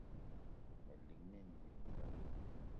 Me lik mina mininga